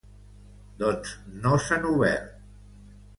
Doncs no s’han obert.